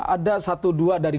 ada satu dua dari